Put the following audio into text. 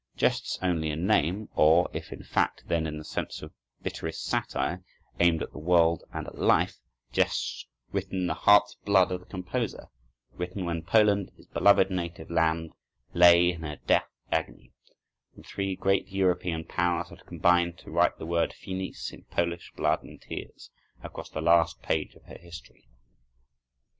Jests only in name, or, if in fact, then in the sense of bitterest satire, aimed at the world and at life, jests written in the heart's blood of the composer; written when Poland, his beloved native land, lay in her death agony, when three great European powers had combined to write the word finis in Polish blood and tears, across the last page of her history.